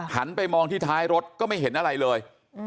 ไปมองที่ท้ายรถก็ไม่เห็นอะไรเลย